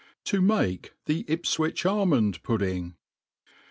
To make tbi Ipjivicb Almond Pudding.